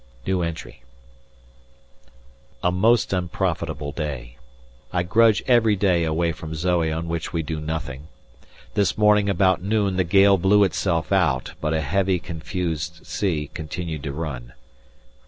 A most unprofitable day. I grudge every day away from Zoe on which we do nothing. This morning about noon the gale blew itself out, but a heavy confused sea continued to run.